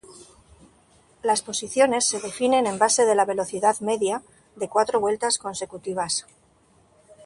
Las posiciones se definen en base de la velocidad media de cuatro vueltas consecutivas.